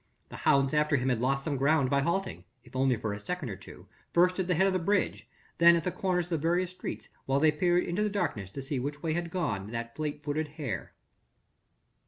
The hounds after him had lost some ground by halting if only for a second or two first at the head of the bridge, then at the corners of the various streets, while they peered into the darkness to see which way had gone that fleet footed hare.